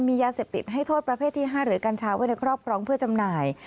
มียาเสพติดให้โทษประเภทที่๕หรือกัญชาไว้ในครอบครองเพื่อจำหน่าย